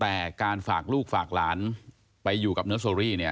แต่การฝากลูกฝากหลานไปอยู่กับเนอร์โซรีเนี่ย